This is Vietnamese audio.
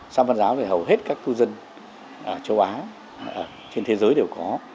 saman giáo thì hầu hết các thu dân châu á trên thế giới đều có